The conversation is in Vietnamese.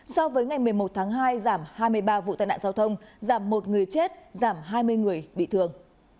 so với ngày một mươi một tháng hai giảm hai mươi ba vụ tai nạn giao thông giảm một người chết giảm hai mươi người bị thương